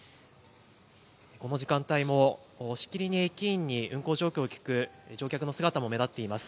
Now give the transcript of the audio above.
この時間帯もしきりに駅員に運行状況を聞く乗客の姿も目立っています。